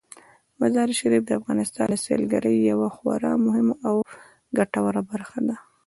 مزارشریف د افغانستان د سیلګرۍ یوه خورا مهمه او ګټوره برخه ده.